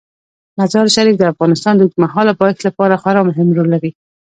مزارشریف د افغانستان د اوږدمهاله پایښت لپاره خورا مهم رول لري.